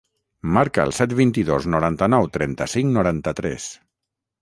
Marca el set, vint-i-dos, noranta-nou, trenta-cinc, noranta-tres.